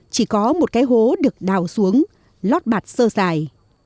chỉ có một cái hố được đào xuống lót bạt sơ dài